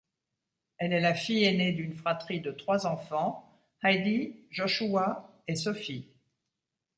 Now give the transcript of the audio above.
Elle est la fille aînée d'une fratrie de trois enfants, Heidi, Joshua et Sophie.